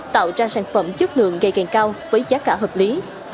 tạo ra sản phẩm chất lượng ngày càng cao với giá cả hợp lý